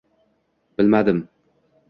Bilmadim.